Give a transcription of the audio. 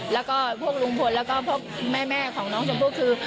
แล้วก็พวกลุงพลแล้วก็พวกแม่ของน้องชมพู่คือ